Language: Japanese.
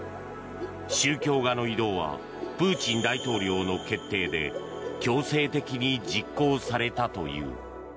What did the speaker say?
宗教画の移動はプーチン大統領の決定で強制的に実行されたという。